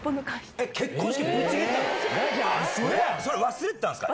忘れてたんですか？